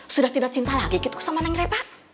sudah tidak cinta lagi gitu sama neng repa